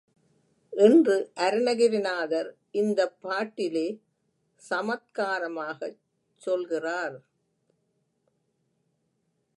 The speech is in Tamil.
என்று அருணகிரிநாதர் இந்தப் பாட்டிலே சமத்காரமாகச் சொல்கிறார்.